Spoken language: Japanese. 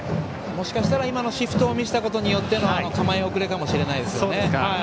もしかしたら今のシフトを見せたことの構え遅れかもしれないですね。